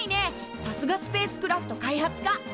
さすがスペースクラフト開発科！